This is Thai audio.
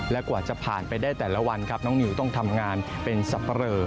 และกว่าจะผ่านไปได้แต่ละวันครับน้องนิวต้องทำงานเป็นสับปะเรอ